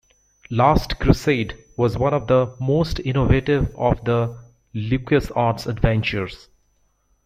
"Last Crusade" was one of the most innovative of the LucasArts adventures.